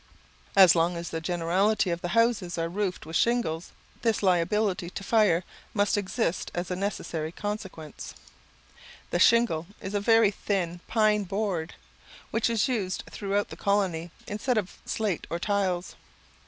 As long as the generality of the houses are roofed with shingles, this liability to fire must exist as a necessary consequence. The shingle is a very thin pine board, which is used throughout the colony instead of slate or tiles.